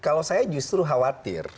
kalau saya justru khawatir